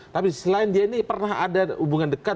tapi selain dia ini pernah ada hubungan dekat